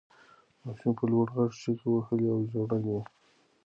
ماشوم په لوړ غږ چیغې وهلې او ژړل یې.